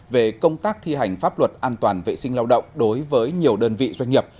về công tác thi hành pháp luật an toàn vệ sinh lao động đối với nhiều đơn vị doanh nghiệp